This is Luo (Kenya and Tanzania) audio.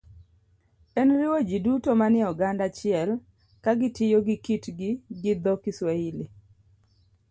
en riwo ji duto manie oganda achiel ka gitiyo gi kitgi gi dho - Kiswahili.